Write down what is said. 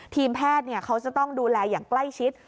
ทีมแพทย์เขาจะต้องดูแลอย่างใกล้ชิด